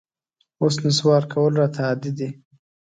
اوس نسوار کول راته عادي دي